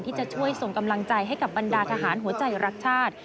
ที่จะช่วยส่งกำลังใจให้กับบรรดาทหารหัวใจรักชาติ